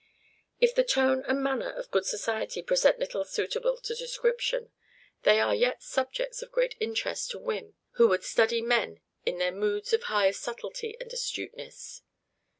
If the tone and manner of good society present little suitable to description, they are yet subjects of great interest to him who would study men in their moods of highest subtlety and astuteness.